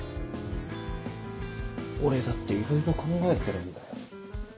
俺だっていろいろ考えてるんだよ。